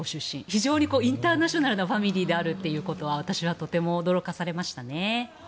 非常にインターナショナルなファミリーであるということは私はとても驚かされましたね。